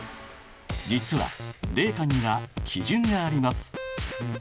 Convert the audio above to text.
実は冷夏には基準があります。